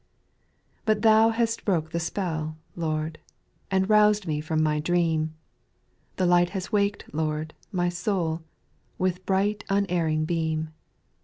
But Thou hast broke the spell, Lord, And roused me from my dream ; The light has waked Lord, my soul, With bright unerring beam.